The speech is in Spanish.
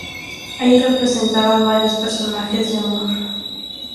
Allí representaba varios personajes de humor.